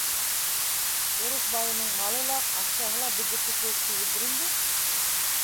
Урыҫ байының малы ла, аҡсаһы ла беҙҙеке кеүек түгелдер инде.